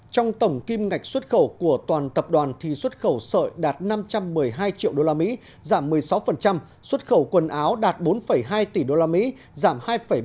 trong tổng kim ngạch xuất khẩu của toàn tập đoàn thì xuất khẩu sợi đạt năm trăm một mươi hai triệu usd giảm một mươi sáu xuất khẩu quần áo đạt bốn hai tỷ usd giảm hai ba